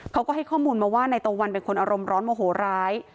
เขาก็ให้ข้อมูลมาว่านายตะวันเป็นคนอารมณ์ร้อนโมโหร้าย